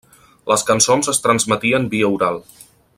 Les cançons es transmetien via oral.